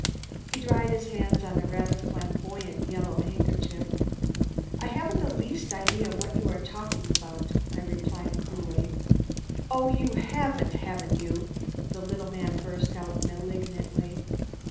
He dried his hands on a rather flamboyant, yellow handkerchief. "I haven't the least idea what you are talking about," I replied coldly. "Oh, you haven't, haven't you?" the little man burst out malignantly.